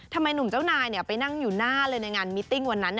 ทำไมหนุ่มเจ้านายไปนั่งอยู่หน้าเลยในงานมิติ้งวันนั้น